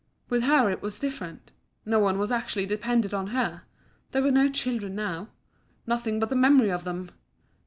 With her it was different: no one was actually dependent on her there were no children now! Nothing but the memory of them!